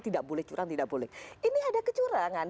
tidak boleh curang tidak boleh ini ada kecurangan